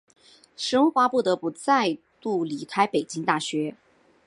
石蕴华不得不再度离开北京大学。